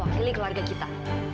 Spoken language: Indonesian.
dan mewakili keluarga kita